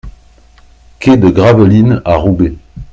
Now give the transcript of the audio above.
Quai de Gravelines à Roubaix